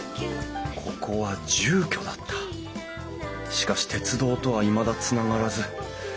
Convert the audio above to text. しかし鉄道とはいまだつながらず。